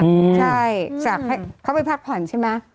ใช่จากเขาไปพักผ่อนใช่ไหม